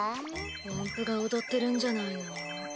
音符が踊ってるんじゃないの？